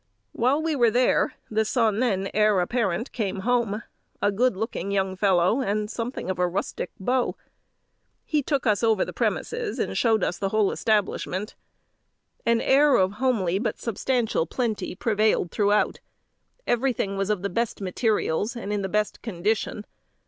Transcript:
While we were there, the son and heir apparent came home; a good looking young fellow, and something of a rustic beau. He took us over the premises, and showed us the whole establishment. An air of homely but substantial plenty prevailed throughout; everything was of the best materials, and in the best condition.